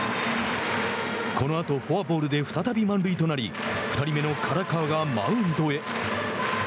このあとフォアボールで再び満塁となり２人目の唐川がマウンドへ。